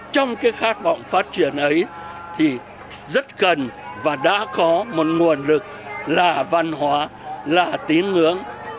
trong cái khát vọng phát triển ấy thì rất cần và đã có một nguồn lực là văn hóa lạ tín ngưỡng